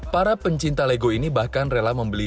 para pencinta lego ini bahkan rela membeli